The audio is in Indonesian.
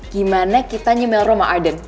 gimana kita nyembel rumah arden